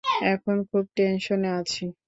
এখন খুব টেনশনে আছি!